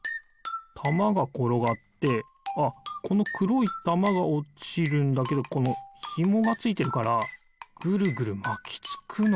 たまがころがってああこのくろいたまがおちるんだけどこのひもがついてるからぐるぐるまきつくのかな。